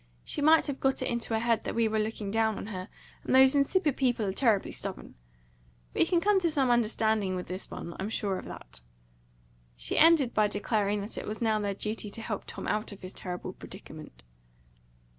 She might have got it into her head that we were looking down on her; and those insipid people are terribly stubborn. We can come to some understanding with this one; I'm sure of that." She ended by declaring that it was now their duty to help Tom out of his terrible predicament.